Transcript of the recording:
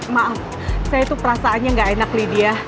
maaf saya itu perasaannya gak enak lydia